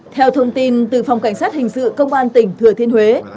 theo thông tin từ phòng cảnh sát hình sự công an tỉnh thừa thiên huế